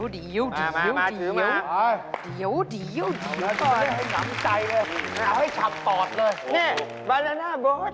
นี่แบนนาบอะ